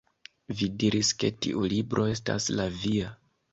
Vi diris ke tiu libro estas la via